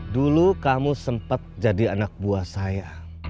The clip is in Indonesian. dulu kamu sempat jadi anak buah saya